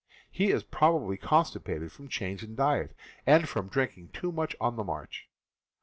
He is prob ably constipated from change of diet, and from drink ing too much on the march.